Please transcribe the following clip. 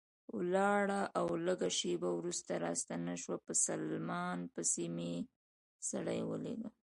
ولاړه او لږ شېبه وروسته راستنه شوه، په سلمان پسې مې سړی ولېږه.